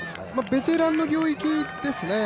ベテランの領域ですね